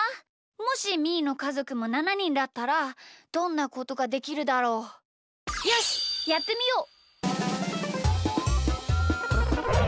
もしみーのかぞくも７にんだったらどんなことができるだろう？よしやってみよう！